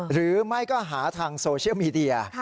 หรือไม่ก็หาทางโซเชียลมีเดีย